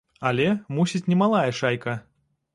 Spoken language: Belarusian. Але, мусіць, немалая шайка.